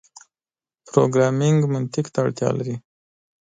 پروګرامنګ منطق ته اړتیا لري.